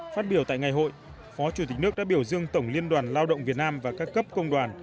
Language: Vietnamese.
phát biểu tại ngày hội phó chủ tịch nước đã biểu dương tổng liên đoàn lao động việt nam và các cấp công đoàn